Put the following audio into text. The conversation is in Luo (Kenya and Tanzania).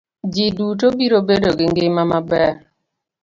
Ji duto biro bedo gi ngima ma ber.